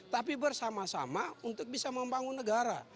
tapi bersama sama untuk bisa membangun negara